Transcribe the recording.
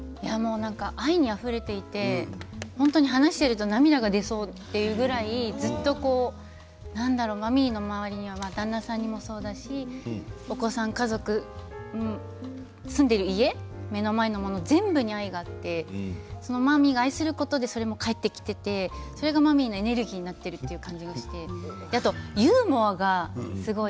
愛にあふれていて本当に話していると涙が出そうというぐらいずっと何だろう、マミーの周りには旦那さんもそうだし、お子さん家族、住んでいる家目の前のもの全部に愛があってそのマミーが愛することでそれも帰ってきていてそれがマミーがエネルギーになっているという感じがしてあとユーモアがすごい。